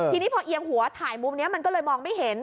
ทีนี้พอเอียงหัวถ่ายมุมนี้มันก็เลยมองไม่เห็น